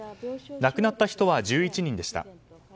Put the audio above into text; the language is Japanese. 亡くなった人は１１人でした。